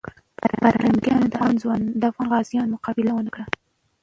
پرنګیان د افغان غازیانو مقابله ونه کړه.